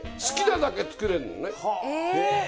好きなだけつけられるのね。